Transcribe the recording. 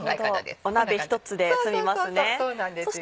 なるほど鍋１つで済みますね。